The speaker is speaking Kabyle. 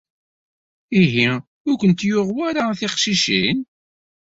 Ihi, ur kent-yuɣ wara a tiqcicin?